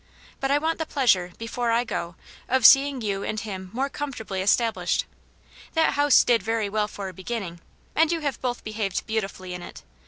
But I want the pleasure, before I go, of seeing you and him more comfortably established. That house did very well for a beginning, and you have both behaved beautifully in it.